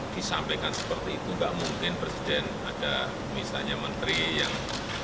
disampaikan seperti itu enggak mungkin presiden ada misalnya menteri yang